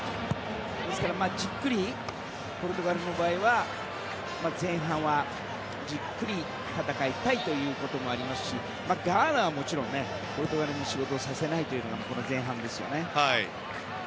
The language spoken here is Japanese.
ですから、ポルトガルの場合は前半はじっくり戦いたいということもありますしガーナはもちろんポルトガルに仕事をさせないのがこの前半ですよね。